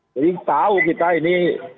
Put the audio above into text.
jadi tahu kita ini